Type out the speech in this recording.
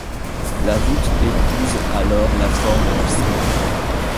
La voûte épouse alors la forme du cintre.